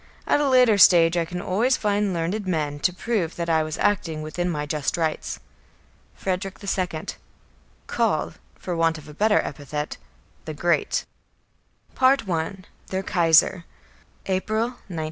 At a later stage I can always find learned men to prove that I was acting within my just rights." FREDERICK II. (called, for want of a better epithet, the Great). I THEIR KAISER _April, 1916.